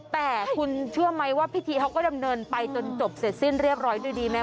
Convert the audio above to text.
แต่คุณเชื่อไหมว่าพิธีเขาก็ดำเนินไปจนจบเสร็จสิ้นเรียบร้อยด้วยดีไหม